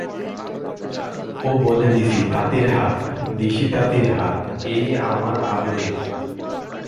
ও বলে দিশি তাঁতির হাত, দিশি তাঁতির তাঁত, এই আমার আদরের।